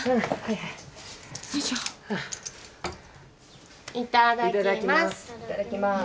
いただきます。